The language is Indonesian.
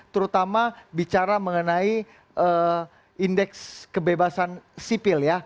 terutama bicara mengenai indeks kebebasan sipil ya